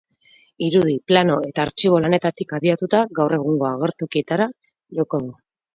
Irudi, plano eta artxibo lanetatik abiatuta, gaur egungo agertokietara joko du.